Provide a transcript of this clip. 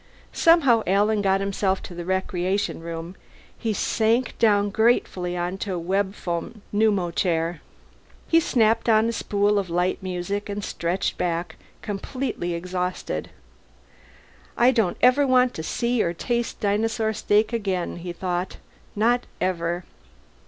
Somehow Alan got himself to the recreation room; he sank down gratefully on a webfoam pneumochair. He snapped on a spool of light music and stretched back, completely exhausted. I don't ever want to see or taste a dinosaur steak again, he thought. Not ever.